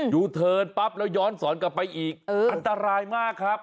ยูเทิร์นปั๊บแล้วย้อนสอนกลับไปอีกอันตรายมากครับ